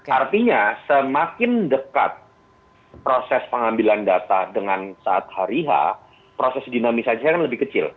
artinya semakin dekat proses pengambilan data dengan saat hari h proses dinamisasinya kan lebih kecil